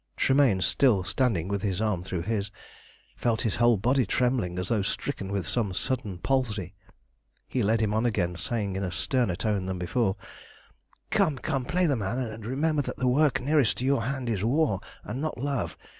Tremayne, still standing with his arm through his, felt his whole body trembling, as though stricken with some sudden palsy. He led him on again, saying in a sterner tone than before "Come, come! Play the man, and remember that the work nearest to your hand is war, and not love.